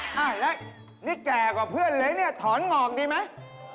ไหล่นี่แก่กว่าเพื่อนเลยนี่ถอนหงอกดีไหม